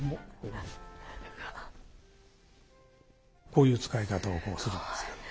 こういう遣い方をするんですけど。